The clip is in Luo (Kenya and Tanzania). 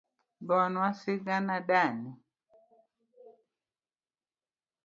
Gonwa sigana dani.